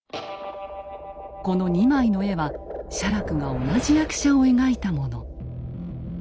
この２枚の絵は写楽が同じ役者を描いたもの。